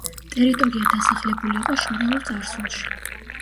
ტერიტორია დასახლებული იყო შორეულ წარსულში.